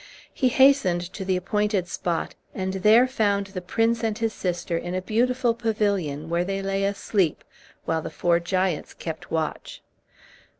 He hastened to the appointed spot, and there found the prince and his sister in a beautiful pavilion, where they lay asleep, while the four giants kept watch.